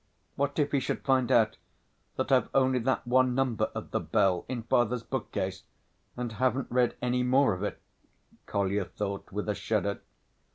("What if he should find out that I've only that one number of The Bell in father's bookcase, and haven't read any more of it?" Kolya thought with a shudder.)